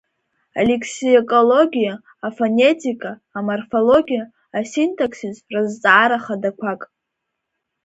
Алексикологиа, афонетика, аморфологиа, асинтаксис рызҵаара хадақәак.